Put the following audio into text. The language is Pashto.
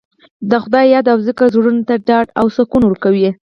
د خدای یاد او ذکر زړونو ته ډاډ او سکون ورکوي.